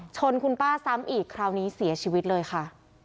ชนคุณป้าซ้ำอีกคราวนี้เสียชีวิตเลยค่ะ